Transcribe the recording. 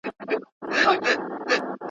دواړي خویندي وې رنګیني ښایستې وې `